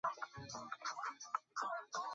后被贬为蒲州同知。